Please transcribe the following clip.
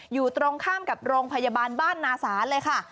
อยู่ตรงข้ามกับโรงพยาบาลบ้านนาศาลเลยค่ะ